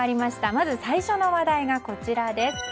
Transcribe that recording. まず、最初の話題がこちらです。